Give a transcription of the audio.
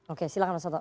oke silahkan mas soto